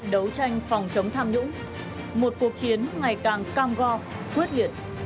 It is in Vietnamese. đấu tranh phòng chống tham nhũng một cuộc chiến ngày càng cam go quyết liệt